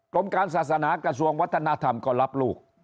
กรมการศาสนากระทรวงวัฒนธรรมก็รับลูก